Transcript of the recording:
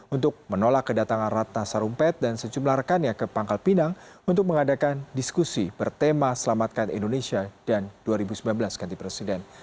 untuk menolak kedatangan ratna sarumpet dan sejumlah rekannya ke pangkal pinang untuk mengadakan diskusi bertema selamatkan indonesia dan dua ribu sembilan belas ganti presiden